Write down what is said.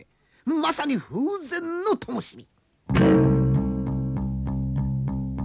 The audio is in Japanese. まさに風前のともし火！